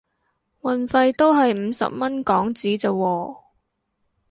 運費都係五十蚊港紙咋喎